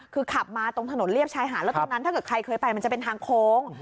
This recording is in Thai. คือขับมาตรงถนนเรียบชายหาดแล้วตรงนั้นถ้าเกิดใครเคยไปมันจะเป็นทางโค้ง